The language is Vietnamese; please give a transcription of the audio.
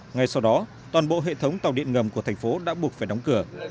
ngay sau đó toàn bộ hệ thống tàu điện ngầm của thành phố đã buộc phải đóng cửa